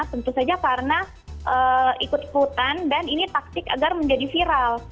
tentu saja karena ikut ikutan dan ini taktik agar menjadi viral